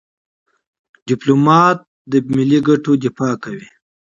ډيپلومات د ملي ګټو دفاع کوي.